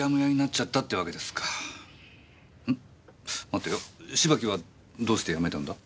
待てよ芝木はどうして辞めたんだ？